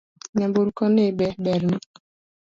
Nyamburko ni be ber ni?